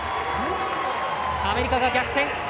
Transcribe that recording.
アメリカが逆転。